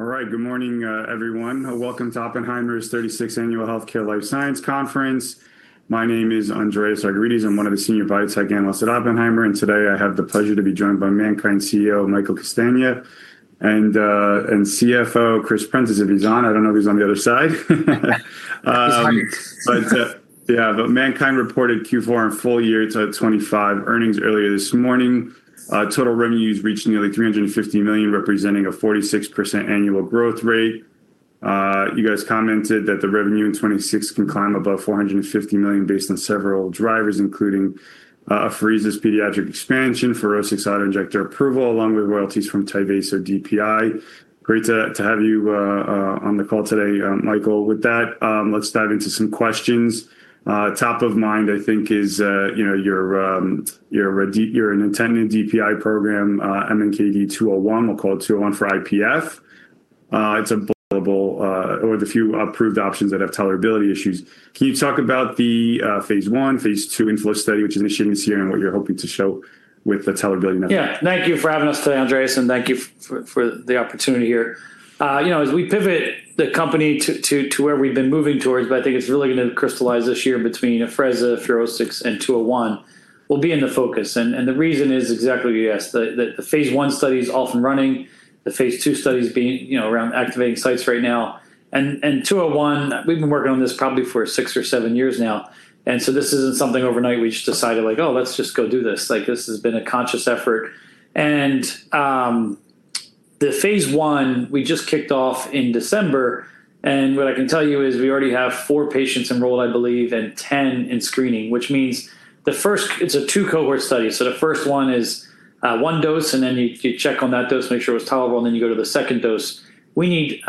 All right, good morning, everyone. Welcome to Oppenheimer's 36th Annual Healthcare Life Sciences Conference. My name is Andreas Argyrides. I'm one of the Senior Biotech Analysts at Oppenheimer, and today I have the pleasure to be joined by MannKind CEO, Michael Castagna, and CFO, Chris Prentiss, if he's on. I don't know if he's on the other side. He's on. Yeah, MannKind reported Q4 and full year 2025 earnings earlier this morning. Total revenues reached nearly $350 million, representing a 46% annual growth rate. You guys commented that the revenue in 2026 can climb above $450 million based on several drivers, including Afrezza's pediatric expansion for six auto-injector approval, along with royalties from Tyvaso DPI. Great to have you on the call today, Michael. With that, let's dive into some questions. Top of mind, I think is, you know, your Nintedanib DPI program, MNKD-201, we'll call it 201 for IPF. It's available, or the few approved options that have tolerability issues. Can you talk about the phase 1, phase 2 inflow study, which is initiating this year, and what you're hoping to show with the tolerability method? Yeah. Thank you for having us today, Andreas, and thank you for the opportunity here. You know, as we pivot the company to where we've been moving towards, but I think it's really gonna crystallize this year between Afrezza, FUROSCIX, and MNKD-201, will be in the focus. The reason is exactly, yes, the phase 1 study is off and running. You know, around activating sites right now. MNKD-201, we've been working on this probably for 6 or 7 years now, this isn't something overnight we just decided: "Oh, let's just go do this." Like, this has been a conscious effort. The phase 1, we just kicked off in December, and what I can tell you is we already have 4 patients enrolled, I believe, and 10 in screening. Which means the first. It's a 2 cohort study, so the first one is 1 dose, and then you check on that dose, make sure it's tolerable, and then you go to the second dose. We need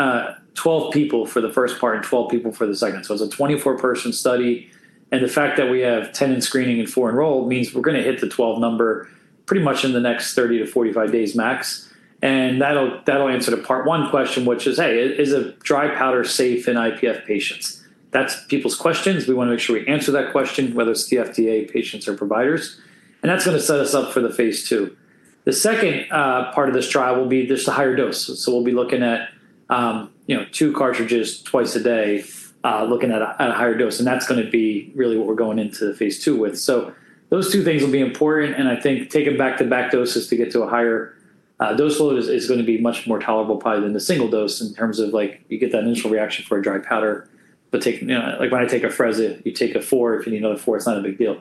12 people for the first part and 12 people for the second. So it's a 24 person study, and the fact that we have 10 in screening and 4 enrolled, means we're gonna hit the 12 number pretty much in the next 30 to 45 days max. That'll answer the part 1 question, which is: Hey, is a dry powder safe in IPF patients? That's people's questions. We wanna make sure we answer that question, whether it's the FDA, patients, or providers. That's going to set us up for the phase 2. The second part of this trial will be just a higher dose. We'll be looking at, you know, 2 cartridges twice a day, looking at a higher dose. That's going to be really what we're going into the phase 2 with. Those 2 things will be important. I think taking back-to-back doses to get to a higher dose load is going to be much more tolerable probably than the single dose in terms of, like, you get that initial reaction for a dry powder. You know, like when I take Afrezza, you take a 4, if you need another 4, it's not a big deal.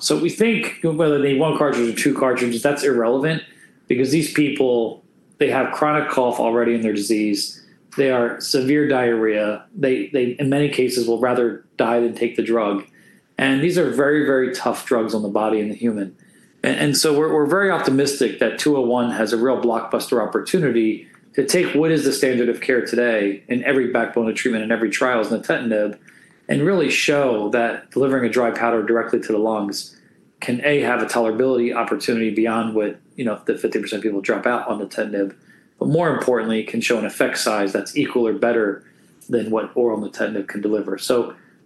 So we think whether they need 1 cartridge or 2 cartridges, that's irrelevant, because these people, they have chronic cough already in their disease. They are severe diarrhea. They, in many cases, will rather die than take the drug. These are very, very tough drugs on the body and the human. So we're very optimistic that 201 has a real blockbuster opportunity to take what is the standard of care today in every backbone of treatment and every trial is Nintedanib, and really show that delivering a dry powder directly to the lungs can, A, have a tolerability opportunity beyond what, you know, the 50% people drop out on Nintedanib, but more importantly, it can show an effect size that's equal or better than what oral Nintedanib can deliver.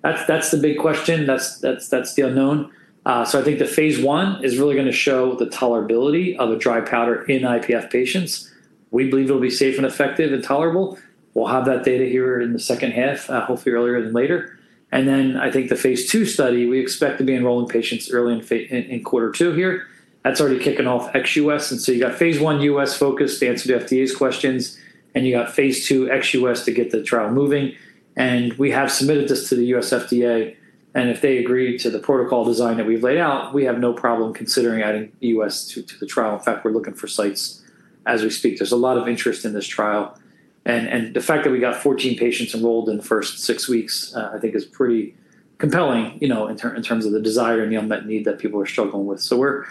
That's, that's the big question. That's the unknown. I think the phase 1 is really going to show the tolerability of a dry powder in IPF patients. We believe it will be safe and effective and tolerable. We will have that data here in the second half, hopefully earlier than later. I think the phase 2 study, we expect to be enrolling patients early in quarter 2 here. That is already kicking off ex-U.S. You got phase 1 U.S. focus to answer the FDA's questions, and you got phase 2 ex-U.S. to get the trial moving. We have submitted this to the U.S. FDA, and if they agree to the protocol design that we have laid out, we have no problem considering adding U.S. to the trial. In fact, we are looking for sites as we speak. There's a lot of interest in this trial, and the fact that we got 14 patients enrolled in the first 6 weeks, I think is pretty compelling, you know, in terms of the desire and the unmet need that people are struggling with. We're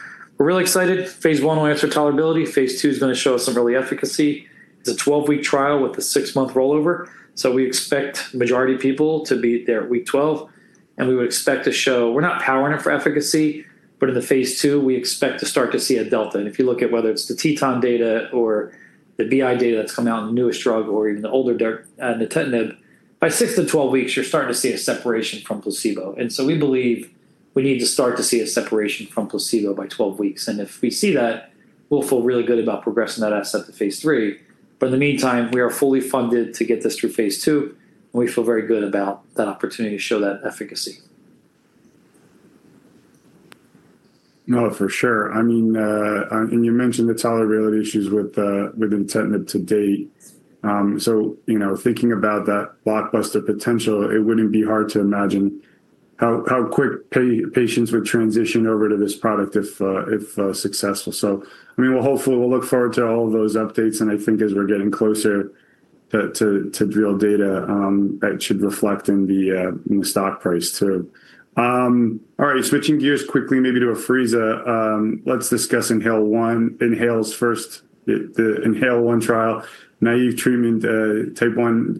really excited. phase 1 will answer tolerability. phase 2 is gonna show us some early efficacy. It's a 12-week trial with a 6-month rollover. We expect majority of people to be there at week 12. We're not powering it for efficacy, in the phase 2, we expect to start to see a delta. If you look at whether it's the TETON data or the Boehringer Ingelheim data that's come out in the newest drug or even the older dirt, Nintedanib, by 6-12 weeks, you're starting to see a separation from placebo. So we believe we need to start to see a separation from placebo by 12 weeks. If we see that, we'll feel really good about progressing that asset to phase 3. In the meantime, we are fully funded to get this through phase 2, and we feel very good about that opportunity to show that efficacy. For sure. I mean, and you mentioned the tolerability issues with Nintedanib to date. You know, thinking about that blockbuster potential, it wouldn't be hard to imagine how quick patients would transition over to this product if successful. I mean, we'll hopefully, we'll look forward to all those updates, and I think as we're getting closer to real data, that should reflect in the stock price, too. All right, switching gears quickly, maybe to Afrezza. Let's discuss INHALE-1, INHALE-1ST, the INHALE-1 trial, naive treatment, Type 1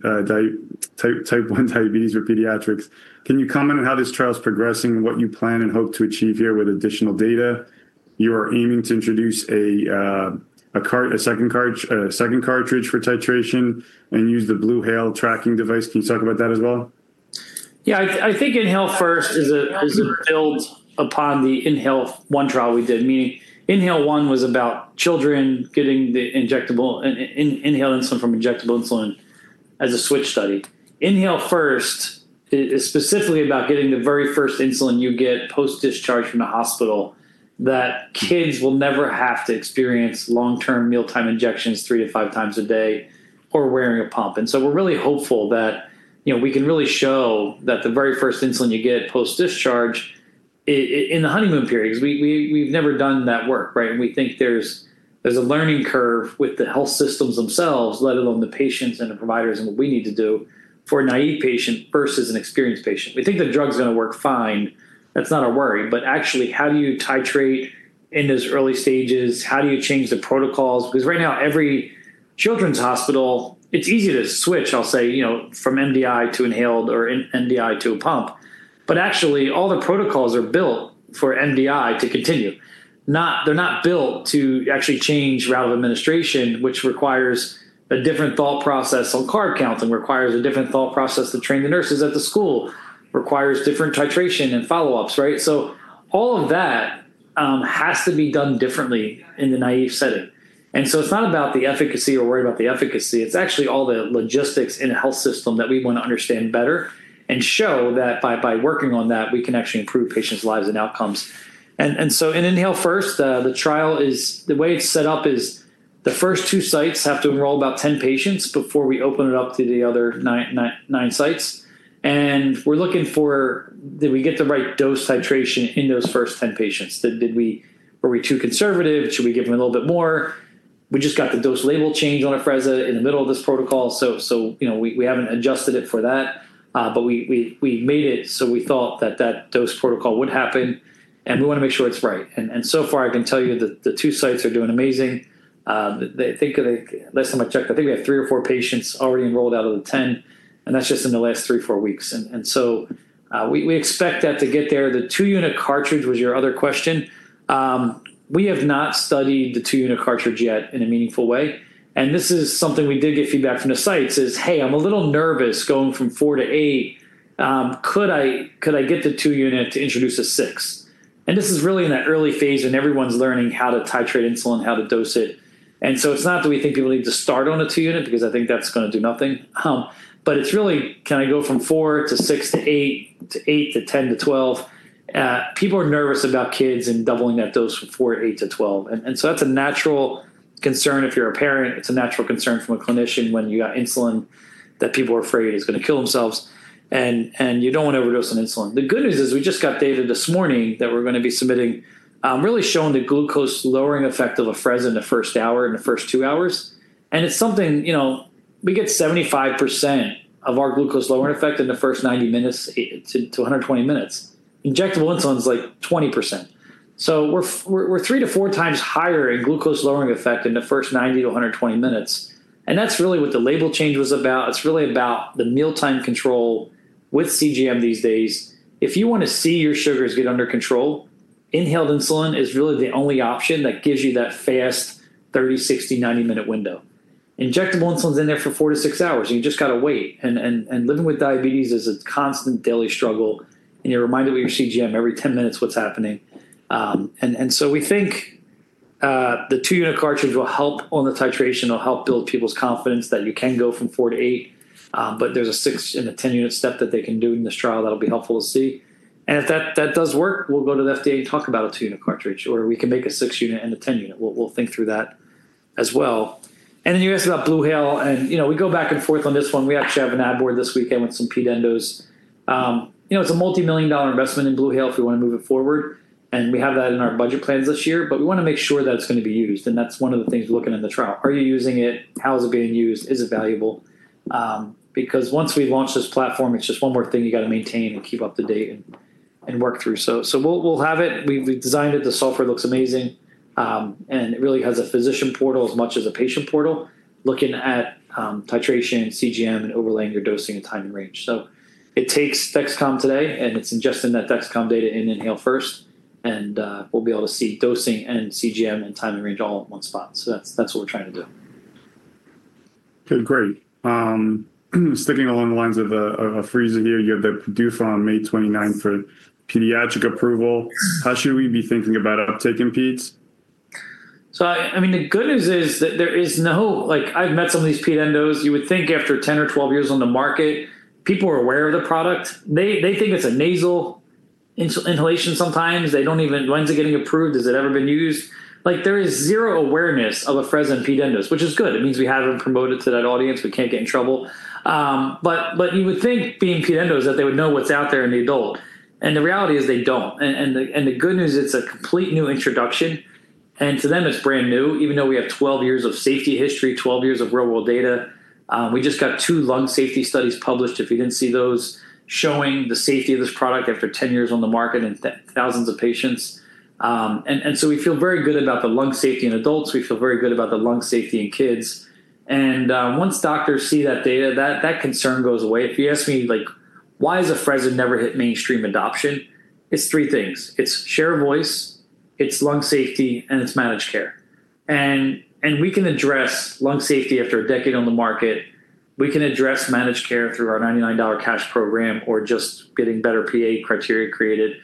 diabetes or pediatrics. Can you comment on how this trial is progressing and what you plan and hope to achieve here with additional data? You are aiming to introduce a second cartridge for titration and use the BluHale tracking device. Can you talk about that as well? Yeah, I think INHALE-1ST is a build upon the INHALE-1 trial we did. Meaning, INHALE-1 was about children getting the injectable inhaled insulin from injectable insulin as a switch study. INHALE-1ST is specifically about getting the very first insulin you get post-discharge from the hospital, that kids will never have to experience long-term mealtime injections 3-5 times a day or wearing a pump. We're really hopeful that, you know, we can really show that the very first insulin you get post-discharge in the honeymoon period, 'cause we've never done that work, right? We think there's a learning curve with the health systems themselves, let alone the patients and the providers, and what we need to do for a naive patient versus an experienced patient. We think the drug's gonna work fine. That's not our worry. Actually, how do you titrate in those early stages? How do you change the protocols? Right now, every children's hospital, it's easy to switch, I'll say, you know, from MDI to inhaled or in MDI to a pump. Actually, all the protocols are built for MDI to continue. They're not built to actually change route of administration, which requires a different thought process on carb counts, and requires a different thought process to train the nurses at the school, requires different titration and follow-ups, right? All of that has to be done differently in the naive setting. It's not about the efficacy or worried about the efficacy, it's actually all the logistics in the health system that we wanna understand better, and show that by working on that, we can actually improve patients' lives and outcomes. In INHALE-1ST, the trial the way it's set up is, the first two sites have to enroll about 10 patients before we open it up to the other 999 sites. Were we too conservative? Should we give them a little bit more? We just got the dose label change on Afrezza in the middle of this protocol, so, you know, we haven't adjusted it for that. We made it, so we thought that that dose protocol would happen, and we wanna make sure it's right. So far, I can tell you that the 2 sites are doing amazing. Last time I checked, I think we had 3 or 4 patients already enrolled out of the 10, and that's just in the last 3, 4 weeks. So, we expect that to get there. The 2-unit cartridge was your other question. We have not studied the 2-unit cartridge yet in a meaningful way, and this is something we did get feedback from the sites is, "Hey, I'm a little nervous going from 4 to 8. Could I get the 2-unit to introduce a 6? This is really in that early phase, and everyone's learning how to titrate insulin, how to dose it. It's not that we think people need to start on a 2-unit, because I think that's gonna do nothing. But it's really, can I go from 4 to 6 to 8, to 8 to 10 to 12? People are nervous about kids and doubling that dose from 4 to 8 to 12, and so that's a natural concern if you're a parent. It's a natural concern from a clinician when you got insulin, that people are afraid it's gonna kill themselves, and you don't wanna overdose on insulin. The good news is, we just got data this morning that we're gonna be submitting, really showing the glucose-lowering effect of Afrezza in the first hour, in the first two hours. It's something, you know, we get 75% of our glucose-lowering effect in the first 90 minutes to 120 minutes. Injectable insulin is, like, 20%. We're three to four times higher in glucose-lowering effect in the first 90 to 120 minutes, and that's really what the label change was about. It's really about the mealtime control with CGM these days. If you wanna see your sugars get under control, inhaled insulin is really the only option that gives you that fast 30, 60, 90-minute window. Injectable insulin is in there for four to six hours, and you've just gotta wait. Living with diabetes is a constant daily struggle, and you're reminded with your CGM every 10 minutes what's happening. We think the 2-unit cartridge will help on the titration, it'll help build people's confidence that you can go from 4 to 8. There's a 6 and a 10-unit step that they can do in this trial that'll be helpful to see. If that does work, we'll go to the FDA and talk about a 2-unit cartridge, or we can make a 6-unit and a 10-unit. We'll think through that as well. You asked about Blue Halo, and, you know, we go back and forth on this one. We actually have an ad board this weekend with some peds endos. You know, it's a multi-million dollar investment in Blue Halo if we wanna move it forward. We have that in our budget plans this year. We wanna make sure that it's gonna be used, and that's one of the things we're looking at in the trial. Are you using it? How is it being used? Is it valuable? Once we launch this platform, it's just one more thing you've got to maintain and keep up to date and work through. We'll have it. We've designed it. The software looks amazing, and it really has a physician portal as much as a patient portal, looking at titration, CGM, and overlaying your dosing and timing range. It takes Dexcom today, and it's ingesting that Dexcom data in INHALE-1ST, and we'll be able to see dosing and CGM and time in range all in one spot. That's what we're trying to do. Okay, great. Sticking along the lines of Afrezza here, you have the PDUFA on May 29th for pediatric approval. How should we be thinking about uptake in peds? I mean, the good news is that there is no. I've met some of these ped endos. You would think after 10 or 12 years on the market, people are aware of the product. They think it's a nasal inhalation sometimes. They don't. "When's it getting approved? Has it ever been used?" There is zero awareness of Afrezza in ped endos, which is good. It means we haven't promoted to that audience. We can't get in trouble. But you would think, being ped endos, that they would know what's out there in the adult, the reality is, they don't. The good news, it's a complete new introduction, to them, it's brand new, even though we have 12 years of safety history, 12 years of real-world data. We just got two lung safety studies published, if you didn't see those, showing the safety of this product after 10 years on the market and thousands of patients. We feel very good about the lung safety in adults. We feel very good about the lung safety in kids. Once doctors see that data, that concern goes away. If you ask me, like, why has Afrezza never hit mainstream adoption? It's three things: It's share of voice, it's lung safety, and it's managed care. We can address lung safety after a decade on the market, we can address managed care through our $99 cash program, or just getting better PA criteria created.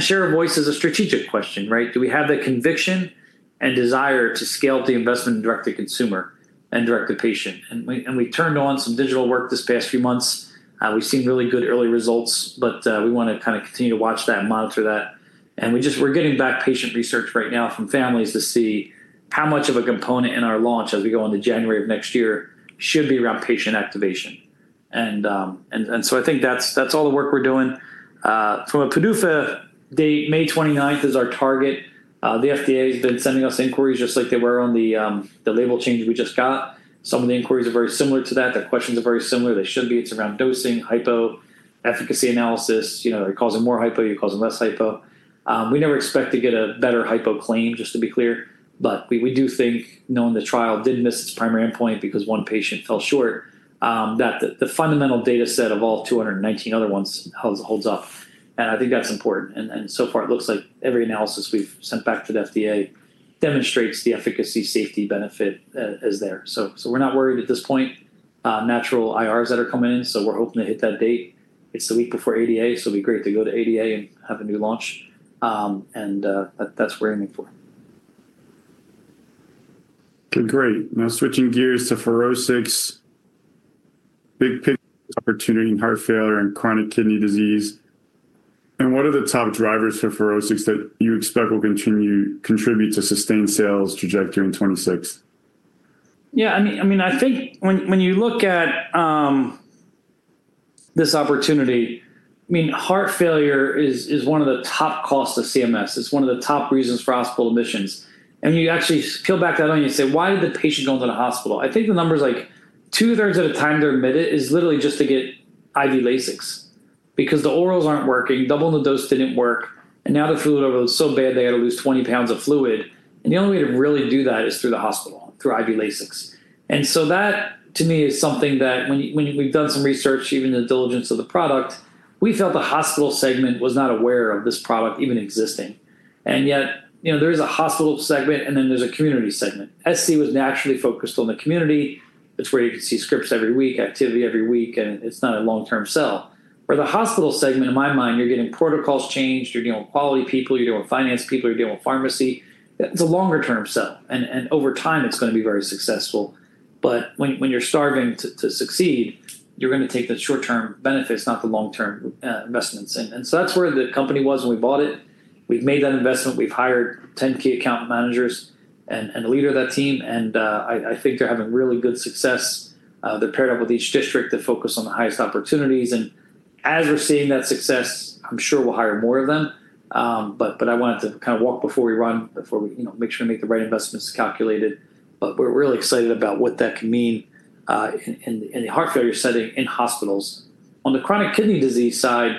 Share a voice is a strategic question, right? Do we have the conviction and desire to scale up the investment direct to consumer and direct to patient? We turned on some digital work this past few months. We've seen really good early results, but we wanna kinda continue to watch that and monitor that. We're getting back patient research right now from families to see how much of a component in our launch as we go into January of next year, should be around patient activation. I think that's all the work we're doing. From a PDUFA, the May 29th is our target. The FDA has been sending us inquiries just like they were on the label change we just got. Some of the inquiries are very similar to that. The questions are very similar. They should be. It's around dosing, hypo, efficacy analysis. You know, it causes more hypo, it causes less hypo. We never expect to get a better hypo claim, just to be clear, but we do think knowing the trial did miss its primary endpoint because one patient fell short, that the fundamental data set of all 219 other ones holds up, and I think that's important. So far, it looks like every analysis we've sent back to the FDA demonstrates the efficacy, safety benefit is there. We're not worried at this point. Natural IRs that are coming in, so we're hoping to hit that date. It's the week before ADA, so it'd be great to go to ADA and have a new launch. That's what we're aiming for. Okay, great. Now, switching gears to FUROSCIX, big picture opportunity in heart failure and chronic kidney disease. What are the top drivers for FUROSCIX that you expect will contribute to sustained sales trajectory in 2026? Yeah, I mean, I think when you look at this opportunity, I mean, heart failure is one of the top costs to CMS. It's one of the top reasons for hospital admissions. You actually peel back that onion and say: Why did the patient go to the hospital? I think the number is like two-thirds of the time they're admitted is literally just to get IV Lasix, because the orals aren't working, doubling the dose didn't work, and now the fluid level is so bad, they had to lose 20 pounds of fluid, and the only way to really do that is through the hospital, through IV Lasix. That, to me, is something that when we've done some research, even the diligence of the product, we felt the hospital segment was not aware of this product even existing. Yet, you know, there is a hospital segment, and then there's a community segment. scPharmaceuticals was naturally focused on the community. It's where you can see scripts every week, activity every week, and it's not a long-term sell. For the hospital segment, in my mind, you're getting protocols changed, you're dealing with quality people, you're dealing with finance people, you're dealing with pharmacy. It's a longer-term sell, and over time, it's gonna be very successful. When you're starving to succeed, you're gonna take the short-term benefits, not the long-term investments. That's where the company was when we bought it. We've made that investment. We've hired 10 key account managers and a leader of that team, and I think they're having really good success. They're paired up with each district to focus on the highest opportunities, and as we're seeing that success, I'm sure we'll hire more of them. But I wanted to kind of walk before we run, before we, you know, make sure to make the right investments calculated. We're really excited about what that can mean in the heart failure setting in hospitals. On the chronic kidney disease side,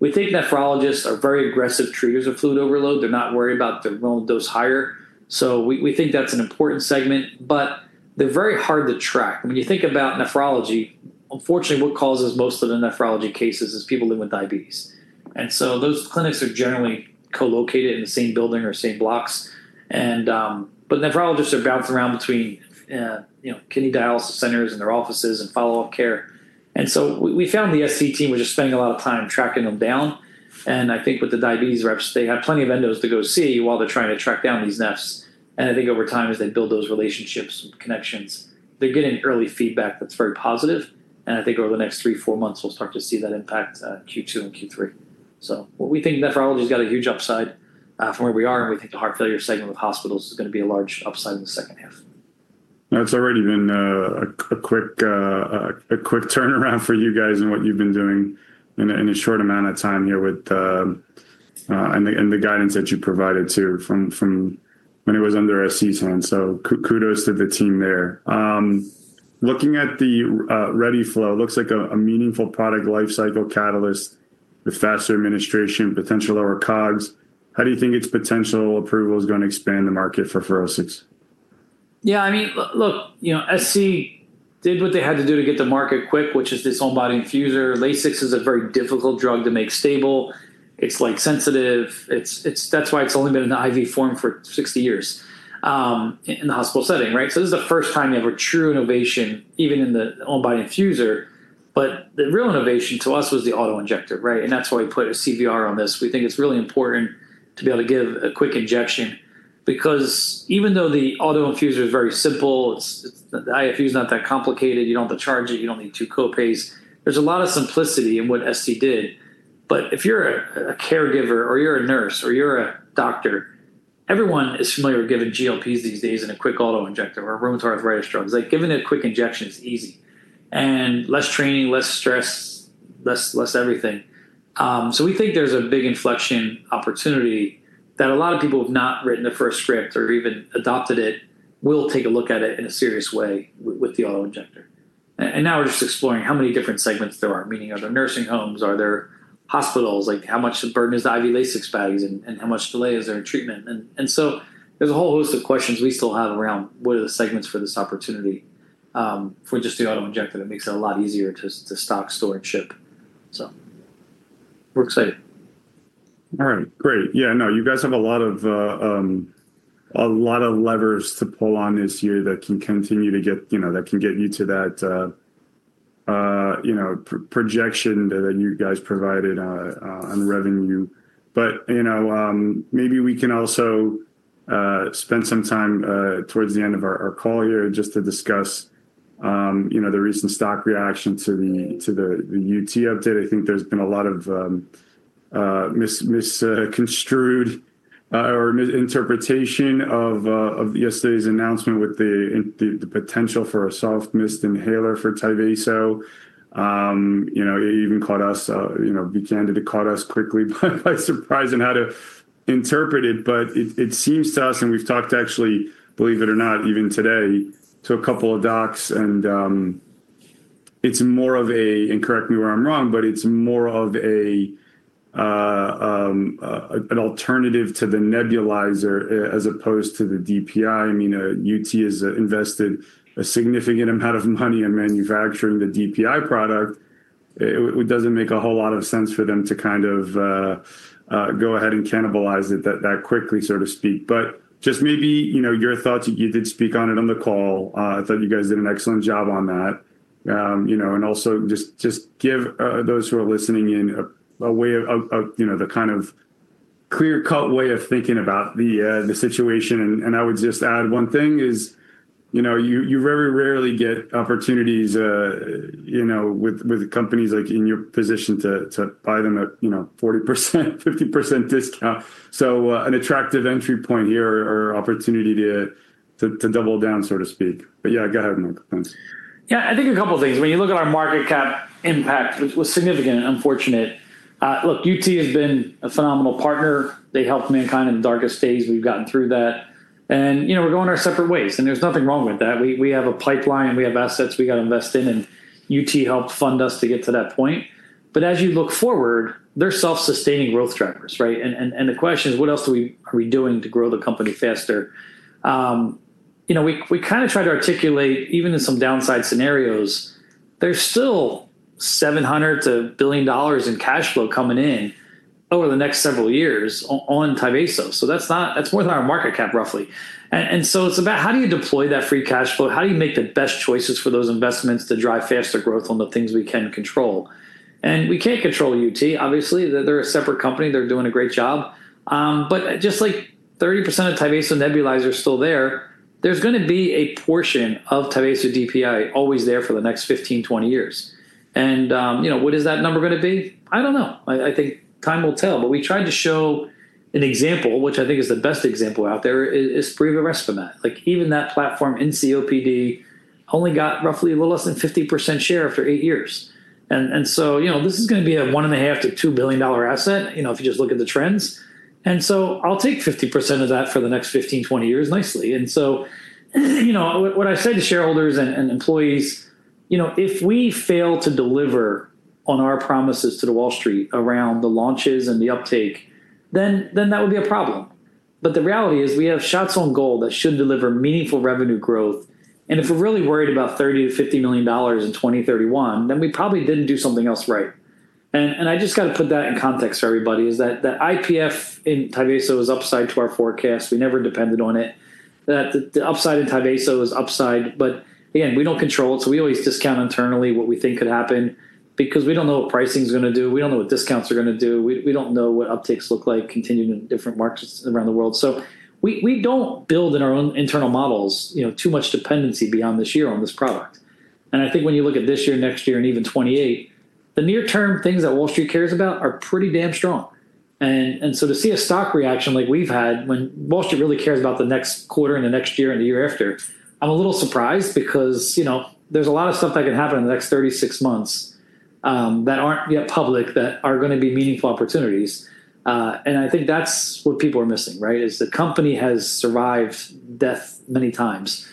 we think nephrologists are very aggressive treaters of fluid overload. They're not worried about the wrong dose higher, so we think that's an important segment, but they're very hard to track. I mean, you think about nephrology, unfortunately, what causes most of the nephrology cases is people living with diabetes. Those clinics are generally co-located in the same building or same blocks. But nephrologists are bouncing around between, you know, kidney dialysis centers and their offices and follow-up care. We found the scPharmaceuticals team were just spending a lot of time tracking them down, and I think with the diabetes reps, they have plenty of endos to go see while they're trying to track down these nephs. I think over time, as they build those relationships, connections, they're getting early feedback that's very positive, and I think over the next three, four months, we'll start to see that impact, Q2 and Q3. What we think nephrology has got a huge upside from where we are, and we think the heart failure segment with hospitals is gonna be a large upside in the second half. It's already been a quick turnaround for you guys and what you've been doing in a short amount of time here with and the guidance that you provided too, from when it was under scPharmaceuticals's hand. Kudos to the team there. Looking at the ready flow, looks like a meaningful product lifecycle catalyst with faster administration, potential lower COGS. How do you think its potential approval is gonna expand the market for FUROSCIX? Yeah, I mean, look, you know, scPharmaceuticals did what they had to do to get to market quick, which is this on-body infuser. Lasix is a very difficult drug to make stable. It's, like, sensitive. It's that's why it's only been in the IV form for 60 years, in the hospital setting, right? This is the first time you have a true innovation, even in the on-body infuser. The real innovation to us was the auto-injector, right? That's why we put a CVR on this. We think it's really important to be able to give a quick injection, because even though the auto-infuser is very simple, it's the IFU is not that complicated. You don't have to charge it, you don't need 2 co-pays. There's a lot of simplicity in what scPharmaceuticals did, but if you're a caregiver or you're a nurse or you're a doctor, everyone is familiar with giving GLP-1s these days in a quick auto-injector or rheumatoid arthritis drugs. Like, giving a quick injection is easy and less training, less stress, less everything. We think there's a big inflection opportunity that a lot of people have not written the first script or even adopted it, will take a look at it in a serious way with the auto-injector. Now we're just exploring how many different segments there are, meaning, are there nursing homes? Are there hospitals? Like, how much of a burden is the IV Lasix values, and how much delay is there in treatment? There's a whole host of questions we still have around what are the segments for this opportunity. If we just do auto-injector, it makes it a lot easier to stock, store, and ship. We're excited. All right, great. Yeah, no, you guys have a lot of, a lot of levers to pull on this year that can continue to get, you know, that can get you to that, you know, projection that you guys provided on revenue. You know, maybe we can also spend some time towards the end of our call here just to discuss, you know, the recent stock reaction to the UT update. I think there's been a lot of misconstrued or misinterpretation of yesterday's announcement with the potential for a soft mist inhaler for Tyvaso. You know, it even caught us, you know, it caught us quickly by surprise on how to interpret it. It seems to us, and we've talked actually, believe it or not, even today, to a couple of docs, and it's more of a, and correct me where I'm wrong, but it's more of an alternative to the nebulizer, as opposed to the DPI. I mean, UT has invested a significant amount of money in manufacturing the DPI product. It doesn't make a whole lot of sense for them to kind of go ahead and cannibalize it that quickly, so to speak. Just maybe, you know, your thoughts. You did speak on it on the call. I thought you guys did an excellent job on that. you know, and also just give those who are listening in a way of, you know, the kind of clear-cut way of thinking about the situation. I would just add one thing is, you know, you very rarely get opportunities, you know, with companies like in your position to buy them at, you know, 40%, 50% discount. An attractive entry point here or opportunity to double down, so to speak. Yeah, go ahead, Nick. Thanks. Yeah, I think a couple of things. When you look at our market cap impact, which was significant and unfortunate, look, UT has been a phenomenal partner. They helped MannKind in the darkest days, we've gotten through that. You know, we're going our separate ways, and there's nothing wrong with that. We have a pipeline, we have assets we've got to invest in, and UT helped fund us to get to that point. As you look forward, they're self-sustaining growth drivers, right? The question is: What else are we doing to grow the company faster? You know, we kinda tried to articulate, even in some downside scenarios, there's still $700 million to $1 billion in cash flow coming in over the next several years on Tyvaso. That's more than our market cap, roughly. It's about how do you deploy that free cash flow? How do you make the best choices for those investments to drive faster growth on the things we can control? We can't control UT. Obviously, they're a separate company, they're doing a great job. Just like 30% of Tyvaso nebulizer is still there's gonna be a portion of Tyvaso DPI always there for the next 15, 20 years. You know, what is that number gonna be? I don't know. I think time will tell, but we tried to show an example, which I think is the best example out there, is Breo RespiMat. Like, even that platform in COPD only got roughly a little less than 50% share after 8 years. you know, this is gonna be a $1.5 billion-$2 billion asset, you know, if you just look at the trends. I'll take 50% of that for the next 15, 20 years nicely. you know, what I say to shareholders and employees: "You know, if we fail to deliver on our promises to the Wall Street around the launches and the uptake, then that would be a problem." The reality is, we have shots on goal that should deliver meaningful revenue growth, and if we're really worried about $30 million-$50 million in 2031, then we probably didn't do something else right. I just got to put that in context for everybody, is that the IPF in Tyvaso is upside to our forecast. We never depended on it, that the upside in Tyvaso is upside, but again, we don't control it, so we always discount internally what we think could happen because we don't know what pricing is gonna do, we don't know what discounts are gonna do, we don't know what upticks look like continuing in different markets around the world. We don't build in our own internal models, you know, too much dependency beyond this year on this product. I think when you look at this year, next year, and even 2028, the near-term things that Wall Street cares about are pretty damn strong. To see a stock reaction like we've had, when Wall Street really cares about the next quarter and the next year and the year after, I'm a little surprised because, you know, there's a lot of stuff that can happen in the next 36 months that aren't yet public, that are gonna be meaningful opportunities. I think that's what people are missing, right? Is the company has survived death many times.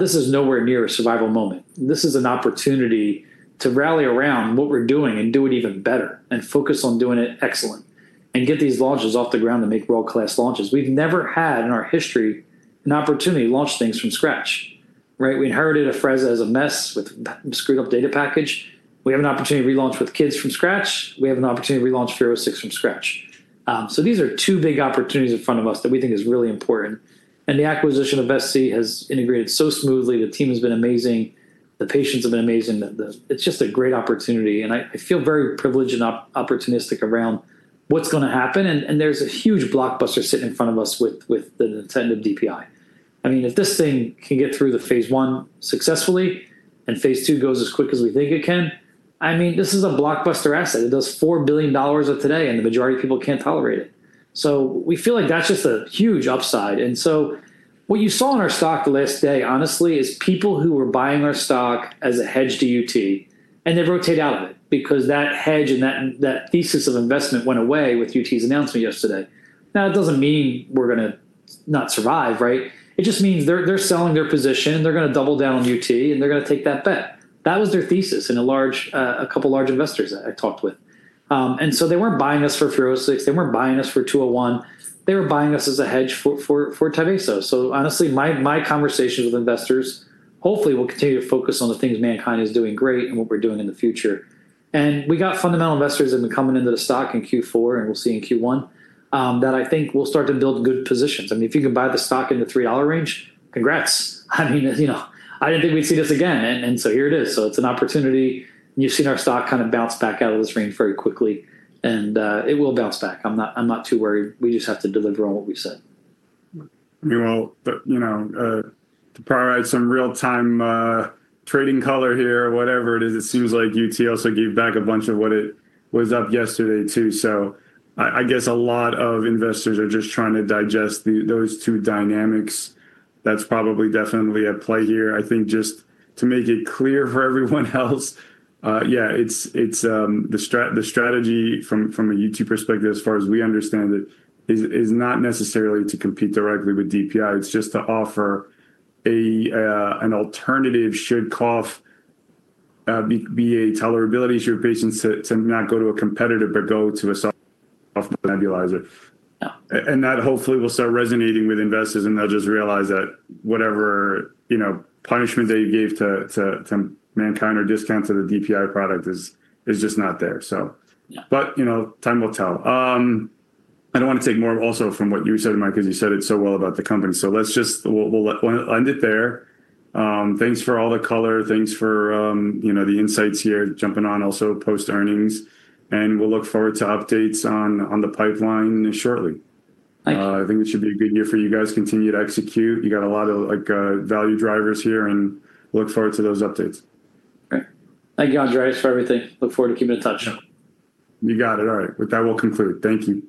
This is nowhere near a survival moment. This is an opportunity to rally around what we're doing and do it even better, and focus on doing it excellent, and get these launches off the ground to make world-class launches. We've never had, in our history, an opportunity to launch things from scratch, right? We inherited Afrezza as a mess with a screwed-up data package. We have an opportunity to relaunch with kids from scratch. We have an opportunity to relaunch FUROSCIX from scratch. These are two big opportunities in front of us that we think is really important, and the acquisition of SC has integrated so smoothly. The team has been amazing, the patients have been amazing. The... It's just a great opportunity, and I feel very privileged and opportunistic around what's gonna happen, and there's a huge blockbuster sitting in front of us with the nintedanib DPI. I mean, if this thing can get through the phase 1 successfully, and phase 2 goes as quick as we think it can, I mean, this is a blockbuster asset. It does $4 billion of today, and the majority of people can't tolerate it. We feel like that's just a huge upside. What you saw in our stock last day, honestly, is people who were buying our stock as a hedge to UT, and they've rotated out of it because that hedge and that thesis of investment went away with UT's announcement yesterday. It doesn't mean we're gonna not survive, right? It just means they're selling their position, they're gonna double down on UT, and they're gonna take that bet. That was their thesis in a large, a couple of large investors that I talked with. They weren't buying us for FUROSCIX, they weren't buying us for 201, they were buying us as a hedge for Tyvaso. Honestly, my conversations with investors, hopefully, we'll continue to focus on the things MannKind is doing great and what we're doing in the future. We got fundamental investors in the coming into the stock in Q4, and we'll see in Q1, that I think will start to build good positions. I mean, if you can buy the stock in the $3 range, congrats! I mean, you know, I didn't think we'd see this again. Here it is. It's an opportunity, and you've seen our stock kind of bounce back out of this range very quickly, and it will bounce back. I'm not too worried. We just have to deliver on what we said. I mean, well, you know, to provide some real-time trading color here, or whatever it is, it seems like UT also gave back a bunch of what it was up yesterday, too. I guess a lot of investors are just trying to digest those two dynamics. That's probably definitely at play here. I think just to make it clear for everyone else, yeah, it's, the strategy from a UT perspective, as far as we understand it, is not necessarily to compete directly with DPI. It's just to offer an alternative, should cough be a tolerability to your patients to not go to a competitor, but go to a soft nebulizer. Yeah. That hopefully will start resonating with investors, and they'll just realize that whatever, you know, punishment they gave to MannKind or discount to the DPI product is just not there. Yeah. You know, time will tell. I don't wanna take more also from what you said, Mike, 'cause you said it so well about the company. Let's just, we'll end it there. Thanks for all the color. Thanks for, you know, the insights here, jumping on, also post-earnings, and we'll look forward to updates on the pipeline shortly. Thank you. I think it should be a good year for you guys to continue to execute. You got a lot of, like, value drivers here, and look forward to those updates. Great. Thank you, Andreas, for everything. Look forward to keeping in touch. You got it. All right. With that, we'll conclude. Thank you.